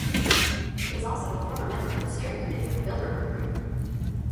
He is also a former member of the Steering Committee of the Bilderberg Group.